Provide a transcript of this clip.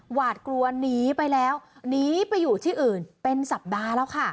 หวาดกลัวหนีไปแล้วหนีไปอยู่ที่อื่นเป็นสัปดาห์แล้วค่ะ